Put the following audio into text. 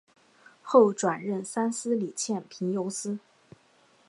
后转任三司理欠凭由司。